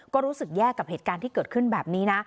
ก็รู้สึกแย่กับเหตุการณ์ที่เกิดขึ้นแบบนี้นะ